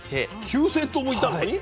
９，０００頭もいたのに⁉はい。